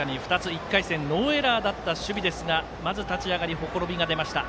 １回戦、ノーエラーだった守備ですがまず、立ち上がりほころびが出ました。